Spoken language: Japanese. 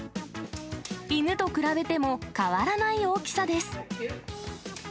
犬と比べても変わらない大きさです。